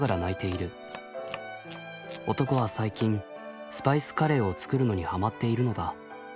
男は最近スパイスカレーを作るのにハマっているのだ。